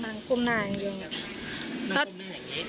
นั่งกรุ่มหน้าอย่างนี้